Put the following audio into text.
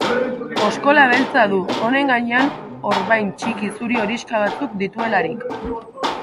Oskola beltza du, honen gainean orbain txiki zuri-horixka batzuk dituelarik.